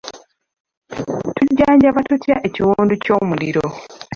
Tujjanjaba tutya ekiwundu ky'omuliro?